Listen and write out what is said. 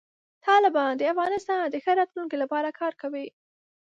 طالبان د افغانستان د ښه راتلونکي لپاره کار کوي.